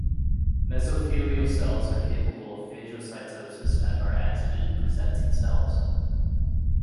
Mesothelial cells are capable of phagocytosis and are antigen presenting cells.